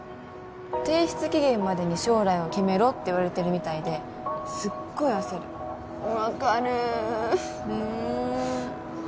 提出期限までに将来を決めろって言われてるみたいですごい焦る分かるねえ